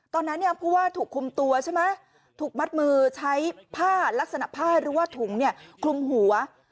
ตอนนั้นผู้ว่าถูกคุมตัวใช่ไหมถูกมัดมือใช้ผ้าลักษณะผ้าหรือว่าถุงคลุมหัว